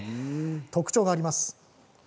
特徴があります。